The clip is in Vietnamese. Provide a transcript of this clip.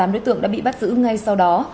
một mươi tám đối tượng đã bị bắt giữ ngay sau đó